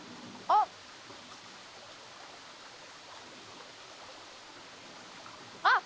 あっあっ。